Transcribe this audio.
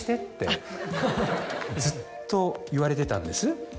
ずっと言われてたんです。